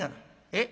「えっ？